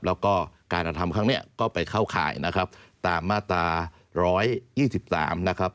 แล้วก็การกระทำครั้งนี้ก็ไปเข้าข่ายนะครับตามมาตรา๑๒๓นะครับ